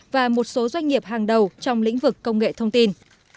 và một số doanh nghiệp hàng đầu trong lĩnh vực công nghệ thông tin